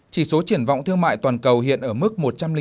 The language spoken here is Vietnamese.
chỉ số triển vọng thương mại toàn cầu hiện ở mức một trăm linh một tám